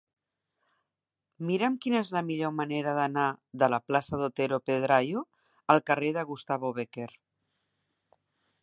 Mira'm quina és la millor manera d'anar de la plaça d'Otero Pedrayo al carrer de Gustavo Bécquer.